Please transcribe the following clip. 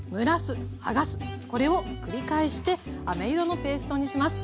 これを繰り返してあめ色のペーストにします。